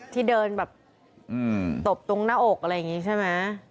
ที่เดินแบบตบตรงหน้าอกอะไรอย่างนี้ใช่ไหม